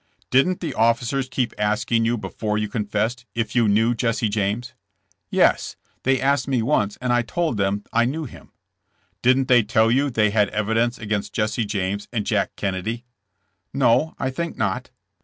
''Didn't the officers keep asking you before you confessed, if you knew Jesse James?" "Yes; they asked me once and I told them I knew him. '' ''Didn't they tell you they had evidence against Jesse James and Jack Kennedy?" "No: I think not."